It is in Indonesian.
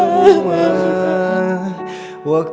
rizka ya allah